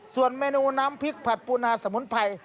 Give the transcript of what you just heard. ส่วนเมนูน้ำพริกผัดปูนาสมุนไพร